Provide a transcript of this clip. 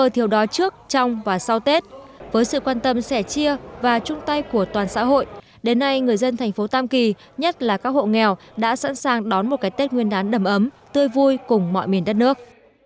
trước đó trước trong và sau tết với sự quan tâm sẻ chia và chung tay của toàn xã hội đến nay người dân thành phố tam kỳ nhất là các hộ nghèo đã sẵn sàng đón một cái tết nguyên đán đầm ấm tươi vui cùng mọi miền đất nước